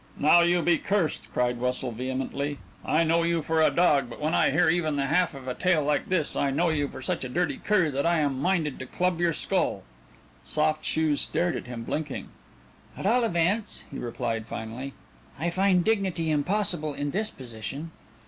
"Now you be cursed," cried Wessel vehemently. "I knew you for a dog, but when I hear even the half of a tale like this, I know you for such a dirty cur that I am minded to club your skull." Soft Shoes stared at him, blinking. "At all events," he replied finally, "I find dignity impossible in this position."